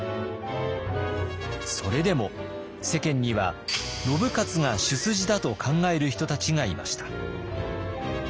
それでも世間には信雄が主筋だと考える人たちがいました。